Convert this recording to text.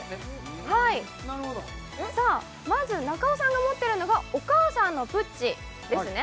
はいなるほどさあまず中尾さんが持ってるのがお母さんのプッチですね